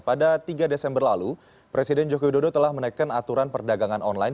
pada tiga desember lalu presiden joko widodo telah menaikkan aturan perdagangan online